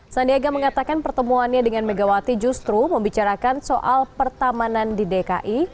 sandiaga mengatakan pertemuannya dengan megawati justru membicarakan soal pertamanan di dki